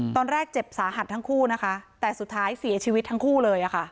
ตอนแรกเจ็บสาหัสทั้งคู่นะคะแต่สุดท้ายเสียชีวิตทั้งคู่เลยค่ะ